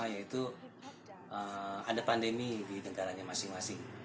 yaitu ada pandemi di negaranya masing masing